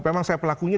memang saya pelakunya